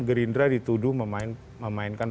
gerindra dituduh memainkan